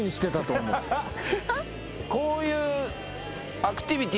こういう。